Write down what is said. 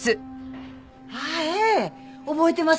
ああええ覚えてます。